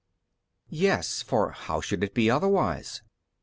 B. Yes, for how should it be otherwise?